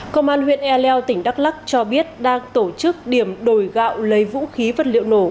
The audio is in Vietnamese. công an huyện e leo tỉnh đắk lắc cho biết đang tổ chức điểm đồi gạo lấy vũ khí vật liệu nổ